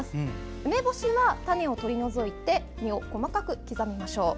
梅干しは種を取り除いて実を細かく刻みましょう。